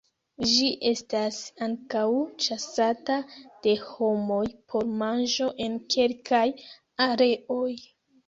Ĝi estas ankaŭ ĉasata de homoj por manĝo en kelkaj areoj.